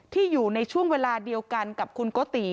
อยู่ในช่วงเวลาเดียวกันกับคุณโกติ